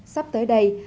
sắp tới đây